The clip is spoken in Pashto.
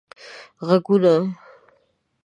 ږغونه